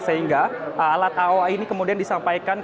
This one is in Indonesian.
sehingga alat aoa ini kemudian disampaikan